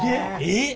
えっ！